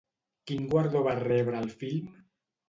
Quin guardó va rebre el film?